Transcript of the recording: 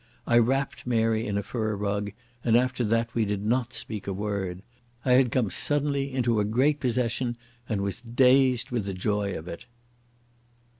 I wrapped Mary in a fur rug, and after that we did not speak a word. I had come suddenly into a great possession and was dazed with the joy of it.